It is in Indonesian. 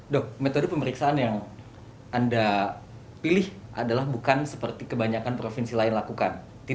dok metode pemeriksaan yang anda pilih adalah bukan seperti kebanyakan provinsi lain lakukan